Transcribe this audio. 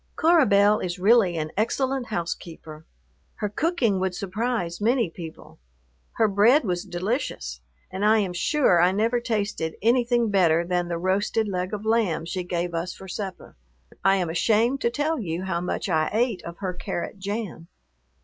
Cora Belle is really an excellent housekeeper. Her cooking would surprise many people. Her bread was delicious, and I am sure I never tasted anything better than the roasted leg of lamb she gave us for supper. I am ashamed to tell you how much I ate of her carrot jam.